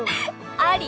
あり！